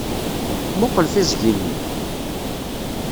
Mmuqqel tiẓgi-nni!